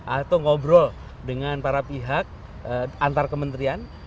atau ngobrol dengan para pihak antar kementerian